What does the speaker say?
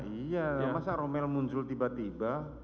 iya masa romel muncul tiba tiba